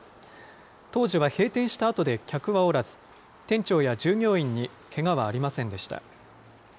当時は閉店したあとで客はおらず、店長や従業員にけがはありませんでした。